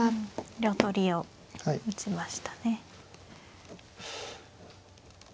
両取りを打ちましたね。